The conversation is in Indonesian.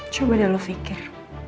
coba dah lu pikir